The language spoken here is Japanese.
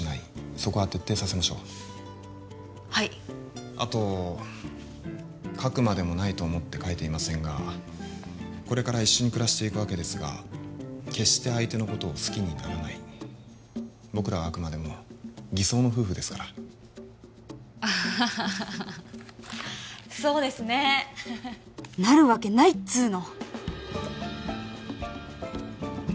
そこは徹底させましょうはいあと書くまでもないと思って書いていませんがこれから一緒に暮らしていくわけですが決して相手のことを好きにならない僕らはあくまでも偽装の夫婦ですからああハハハハそうですねフフフなるわけないっつーの！